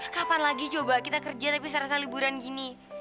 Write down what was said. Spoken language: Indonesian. kapan lagi coba kita kerja tapi serasa liburan gini